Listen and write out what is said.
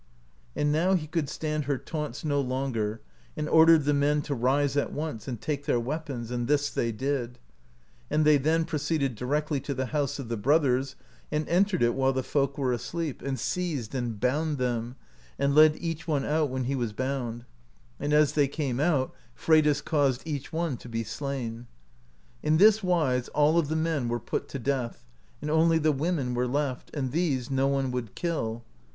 And now he could stand her taunts no longer, and ordered the men to rise at once, and take their weapons, and this they did, and they then proceeded directly to the house of the brothers, and entered it while the folk were asleep, and 98 FREYDIS MURDERS FIVE WOMEN seized and bound them, and led each one out when he was bound; and as they came out» Freydis caused each one to be slain. In this wise all of the men were put to death* and only the women were left, and these no one would kill.